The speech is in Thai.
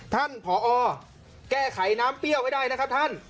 ผอแก้ไขน้ำเปรี้ยวไว้ได้นะครับท่าน